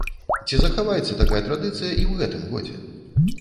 Ці захаваецца такая традыцыя і ў гэтым годзе?